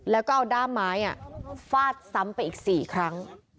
แล้วก็เอาด้ามไม้ฟาดซ้ำไปอีก๔ครั้ง